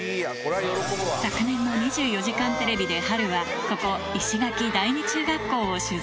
昨年の２４時間テレビで波瑠は、ここ、石垣第二中学校を取材。